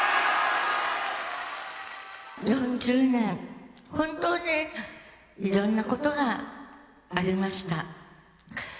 ４０年、本当にいろんなことがありました。